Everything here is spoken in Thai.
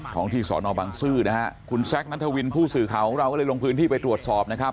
ของที่สอนอบังซื้อนะฮะคุณแซคนัทวินผู้สื่อข่าวของเราก็เลยลงพื้นที่ไปตรวจสอบนะครับ